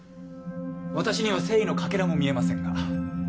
私には誠意のかけらも見えませんが。